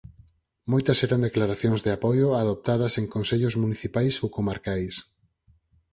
Moitas eran declaracións de apoio adoptadas en consellos municipais ou comarcais.